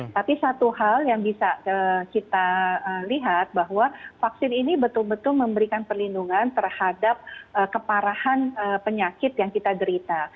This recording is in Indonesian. tapi satu hal yang bisa kita lihat bahwa vaksin ini betul betul memberikan perlindungan terhadap keparahan penyakit yang kita derita